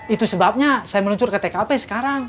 itu sebabnya saya meluncur ke tkp sekarang